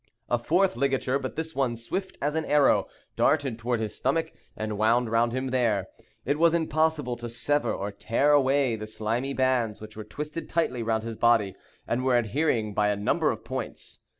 A fourth ligature, but this one swift as an arrow, darted toward his stomach, and wound around him there. It was impossible to sever or tear away the slimy bands which were twisted tightly round his body, and were adhering by a number of points.